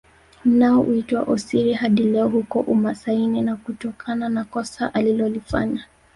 Nao huitwa Osiri hadi leo huko umasaini na kutokana na kosa alilolifanya